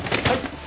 はい。